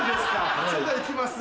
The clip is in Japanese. それではいきます